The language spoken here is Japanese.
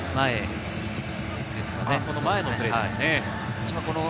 この前のプレーですかね。